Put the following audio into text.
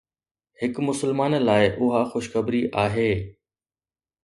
هڪ مسلمان لاءِ اها خوشخبري آهي.